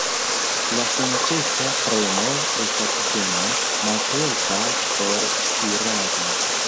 La senĉesa premo estas ĝena, malhelpa por stirado.